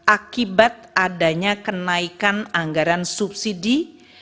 akibat adanya kenaikan anggaran subsidi